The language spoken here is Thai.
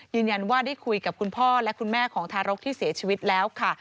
ยืนยันว่าได้คุยกับคุณพ่อและคุณแม่ของทารกที่เสียชีวิตแล้วค่ะ